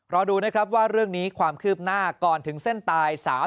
รอดูนะครับว่าเรื่องนี้ความคืบหน้าก่อนถึงเส้นตาย